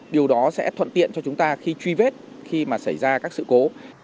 điều đó sẽ thuận tiện cho chúng ta khi truy vết khi mà xảy ra các sự cố